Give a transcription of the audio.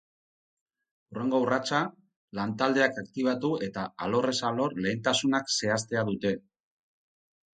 Hurrengo urratsa, lan taldeak aktibatu eta alorrez alor lehentasunak zehaztea dute.